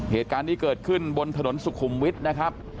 เหตุการณ์นี้เกิดขึ้นบนถนนสุขุมวิทย์นะครับ